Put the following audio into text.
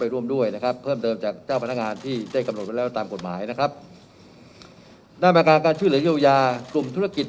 ไปร่วมด้วยเพิ่มเติมจากเจ้าพนักงานที่ได้กำหนดด้วยแล้วตามกฏหมายนะครับนาบาการการช่วยแล้วเที่ยวยากลุ่มธุรกิจ